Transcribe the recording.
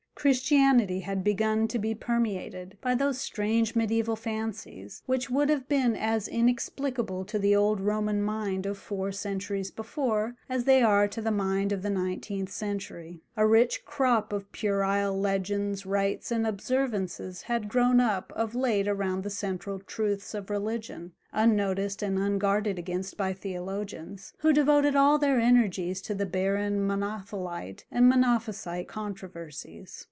Christianity had begun to be permeated by those strange mediæval fancies which would have been as inexplicable to the old Roman mind of four centuries before as they are to the mind of the nineteenth century. A rich crop of puerile legends, rites, and observances had grown up of late around the central truths of religion, unnoticed and unguarded against by theologians, who devoted all their energies to the barren Monothelite and Monophysite controversies.